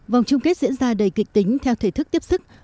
vòng chung kết diễn ra đầy kịch tính theo thể thức tiếp sức